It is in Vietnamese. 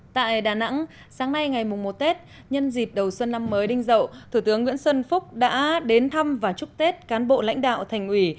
tại đà nẵng sáng nay ngày một tết nhân dịp đầu xuân năm mới đinh dậu thủ tướng nguyễn xuân phúc đã đến thăm và chúc tết cán bộ lãnh đạo thành ủy